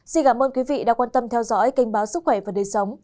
xin cảm ơn quý vị đã quan tâm theo dõi kinh báo sức khỏe và đời sống